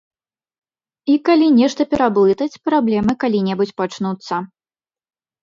І калі нешта пераблытаць, праблемы калі-небудзь пачнуцца.